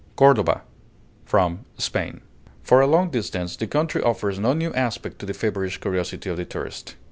CORDOVA From 'Spain' For a long distance the country offers no new aspect to the feverish curiosity of the tourist.